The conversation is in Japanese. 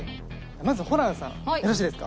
まずホランさんよろしいですか？